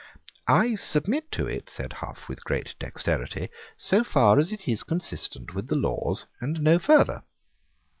"I submit to it," said Hough with great dexterity, "so far as it is consistent with the laws, and no farther."